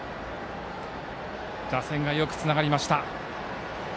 打線がよくつながりました。